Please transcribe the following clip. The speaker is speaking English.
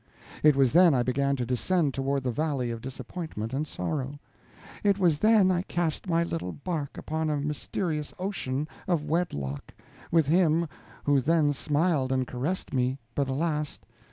It was then I began to descend toward the valley of disappointment and sorrow; it was then I cast my little bark upon a mysterious ocean of wedlock, with him who then smiled and caressed me, but, alas!